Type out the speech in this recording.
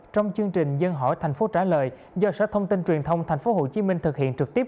trong chương trình dân hỏi thành phố trả lời do sở thông tin truyền thông tp hcm thực hiện trực tiếp